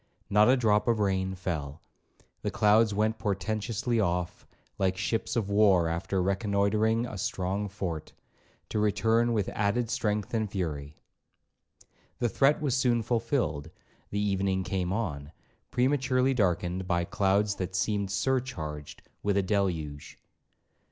Not a drop of rain fell; the clouds went portentously off, like ships of war after reconnoitering a strong fort, to return with added strength and fury. The threat was soon fulfilled; the evening came on, prematurely darkened by clouds that seemed surcharged with a deluge.